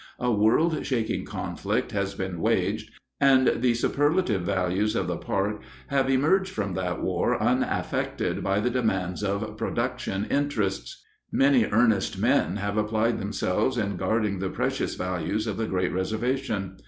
A world shaking conflict has been waged, and the superlative values of the park have emerged from that war unaffected by the demands of "production" interests._ _Many earnest men have applied themselves in guarding the precious values of the great reservation.